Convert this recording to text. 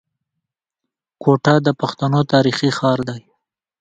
کوټه د پښتنو تاريخي ښار دی.